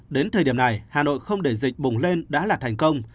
đến thời điểm này hà nội không để dịch bùng lên đã là thành công